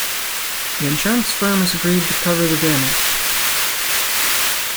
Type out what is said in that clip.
The insurance firm has agreed to cover the damage.